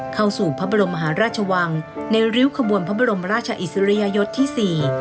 เข้าสู่พระบรมมหาราชวังในริ้วขบวนพระบรมราชอิสริยยศที่สี่